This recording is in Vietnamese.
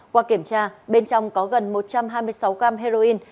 qua kiểm tra bên trong có gần một trăm hai mươi sáu gram heroin